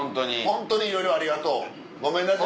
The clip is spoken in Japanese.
ホントにいろいろありがとうごめんなさい。